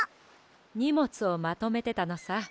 にもつをまとめてたのさ。